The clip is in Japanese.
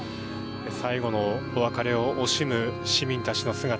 最後のお別れを惜しむ市民たちの姿